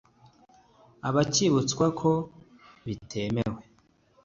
akibutswa ko bitemewe